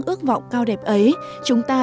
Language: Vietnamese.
ước vọng cao đẹp ấy chúng ta